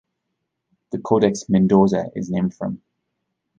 The Codex Mendoza is named for him.